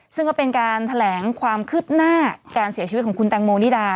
ซึ่งก็เป็นการแถลงความคืบหน้าการเสียชีวิตของคุณแตงโมนิดา